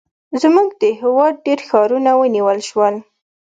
زموږ د هېواد ډېر ښارونه ونیول شول.